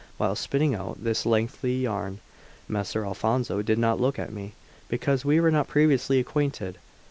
While spinning out this lengthy yarn, Messer Alfonso did not look at me, because we were not previously acquainted.